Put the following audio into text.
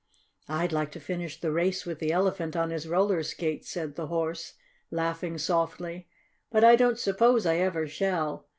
"I'd like to finish the race with the Elephant on his roller skates," said the Horse, laughing softly. "But I don't suppose I ever shall.